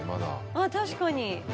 あっ確かに。